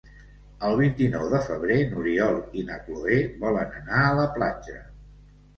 El vint-i-nou de febrer n'Oriol i na Cloè volen anar a la platja.